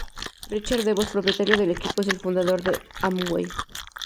Richard DeVos, propietario del equipo, es el fundador de Amway.